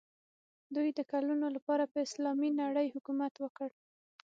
دوی د کلونو لپاره پر اسلامي نړۍ حکومت وکړ.